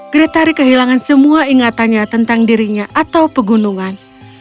gretari kehilangan semua ingatannya tentang dirinya atau pegunungan